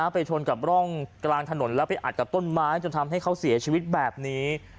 ไปชนกับร่องกลางถนนแล้วไปอัดกับต้นไม้จนทำให้เขาเสียชีวิตแบบนี้